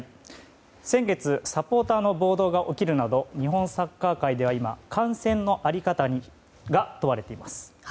先月、サポーターの暴動が起きるなど日本サッカー界では今観戦の在り方が問われています。